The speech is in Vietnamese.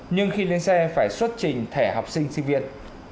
nhưng khi lên xe phải xuất trình thẻ học sinh sinh viên